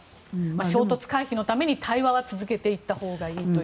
衝突回避のために対話は続けていったほうがいいという。